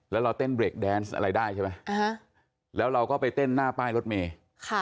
แล้วเราเต้นเบรกแดนส์อะไรได้ใช่ไหมอ่าฮะแล้วเราก็ไปเต้นหน้าป้ายรถเมย์ค่ะ